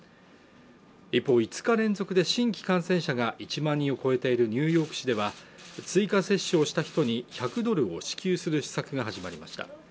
一方５日連続で新規感染者が１万人を超えているニューヨーク市では追加接種をした人に１００ドルを支給する施策が始まりました